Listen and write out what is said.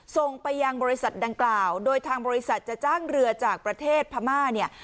ส่งไปยังบริษัทดังกล่าวโดยทางบริษัทจะจ้างเรือจากประเทศพม่าเนี่ย